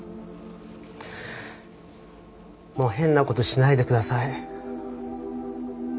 もう変なことしないで下さい。